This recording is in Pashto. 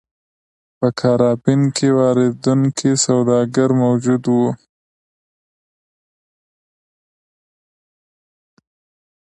په کارابین کې واردوونکي سوداګر موجود وو.